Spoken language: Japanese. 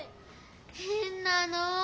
へんなの！